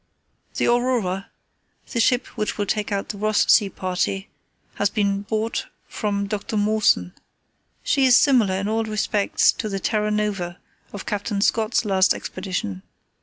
"The Aurora, the ship which will take out the Ross Sea party, has been bought from Dr. Mawson. She is similar in all respects to the Terra Nova, of Captain Scott's last Expedition.